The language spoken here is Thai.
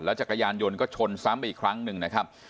จักรยานยนต์ก็ชนซ้ำไปอีกครั้งหนึ่งนะครับ